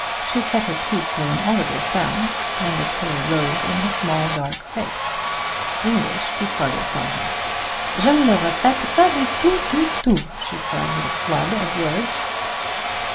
She set her teeth with an audible sound, and the color rose in her small, dark face. English departed from her. "Je ne le regrette pas du tout, du tout!" she cried with a flood of words.